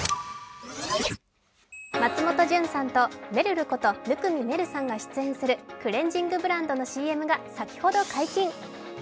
松本潤さんと、めるること生見愛瑠さんが出演するクレンジングブランドのＣＭが先ほど解禁。